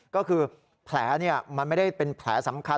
ก็คือแผลมันไม่ได้เป็นแผลสำคัญ